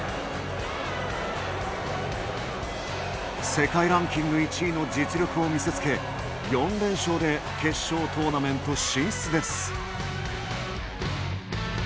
世界ランキング１位の実力を見せつけ、４連勝で決勝トーナメント進出です。